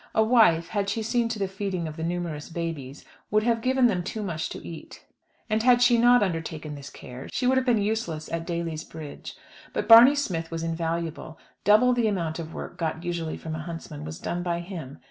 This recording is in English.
A wife, had she seen to the feeding of the numerous babies, would have given them too much to eat, and had she not undertaken this care, she would have been useless at Daly's Bridge. But Barney Smith was invaluable; double the amount of work got usually from a huntsman was done by him.